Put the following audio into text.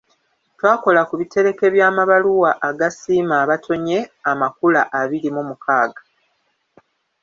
Twakola ku bitereke by’amabaluwa agasiima abatonye amakula abiri mu mukaaga.